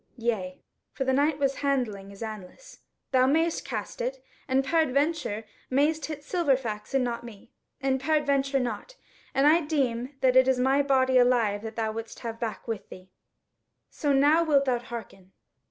Yea," (for the Knight was handling his anlace) "thou mayst cast it, and peradventure mayst hit Silverfax and not me, and peradventure not; and I deem that it is my body alive that thou wouldest have back with thee. So now, wilt thou hearken?"